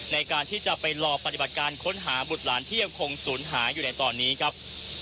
ในการที่จะไปรอปฏิบัติการค้นหาบุตรหลานที่ยังคงศูนย์หายอยู่ในตอนนี้ครับ